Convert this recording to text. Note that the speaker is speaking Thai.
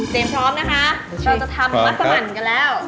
พร้อมนะคะเราจะทำมัสมันกันแล้ว